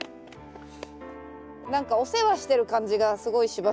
何かお世話してる感じがすごいしますね。